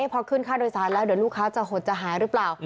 พอขึ้นค่าโดยสารแล้วเดี๋ยวลูกค้าจะหดจะหายหรือเปล่า